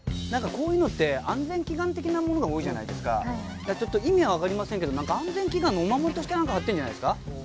何かこういうのって安全祈願的なものが多いじゃないですかだからちょっと意味は分かりませんけど安全祈願のお守りとして何か張ってんじゃないですか？